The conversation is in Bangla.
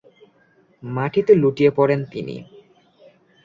মাটিতে লুটিয়ে পড়েন তিনি।